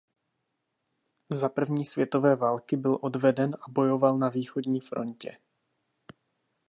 Za první světové války byl odveden a bojoval na východní frontě.